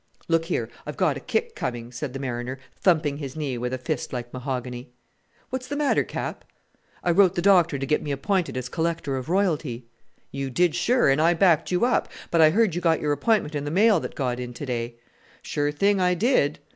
"Look here, I've got a kick coming," said the mariner, thumping his knee with a fist like mahogany. "What's the matter, Cap?" "I wrote the doctor to get me appointed as Collector of Royalty." "You did, sure; and I backed you up: but I heard you got your appointment in the mail that got in to day." "Sure thing, I did."